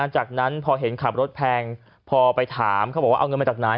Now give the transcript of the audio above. จากนั้นพอเห็นขับรถแพงพอไปถามเขาบอกว่าเอาเงินมาจากไหน